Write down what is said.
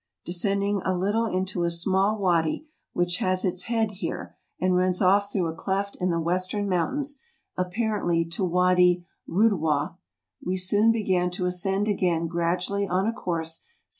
Descending a little into a small Wady, which has its head here, and runs off through a cleft MOUNT SINAI. 219 in tlie western mountains, apparently to Wady Rudhwah, we soon began to ascend again gradually on a course S.E.